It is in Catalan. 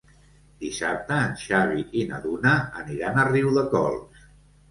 Dissabte en Xavi i na Duna aniran a Riudecols.